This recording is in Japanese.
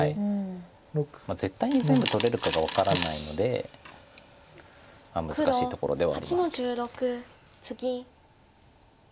絶対に全部取れるかが分からないので難しいところではあります。